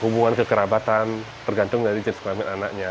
hubungan kekerabatan tergantung dari jenis kelamin anaknya